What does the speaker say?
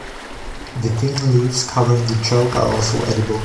The thin leaves covering the choke are also edible.